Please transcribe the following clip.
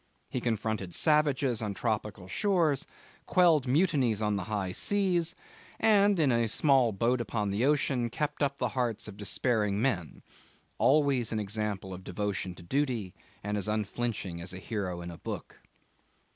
He confronted savages on tropical shores, quelled mutinies on the high seas, and in a small boat upon the ocean kept up the hearts of despairing men always an example of devotion to duty, and as unflinching as a hero in a book.